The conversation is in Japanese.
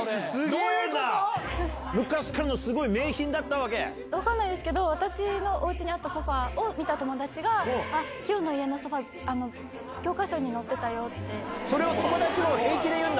昔からのすごい名品だったわ分かんないですけど、私のおうちにあったソファを見た友達が、妃代の家のソファ、それを、友達も平気で言うんだ？